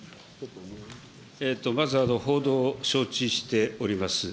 まず、報道を承知しております。